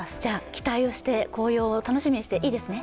期待をして紅葉を楽しみにしていいですね。